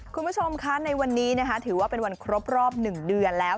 คุณผู้ชมคะในวันนี้นะคะถือว่าเป็นวันครบรอบ๑เดือนแล้ว